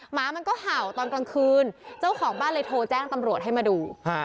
หมามันก็เห่าตอนกลางคืนเจ้าของบ้านเลยโทรแจ้งตำรวจให้มาดู